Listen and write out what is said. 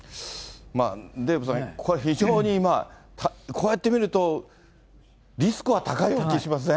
デーブさん、これは非常に、こうやって見ると、リスクは高い気がしません？